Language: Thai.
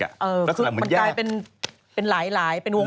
คือมันกลายเป็นหลายเป็นวง